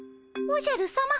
おじゃるさま。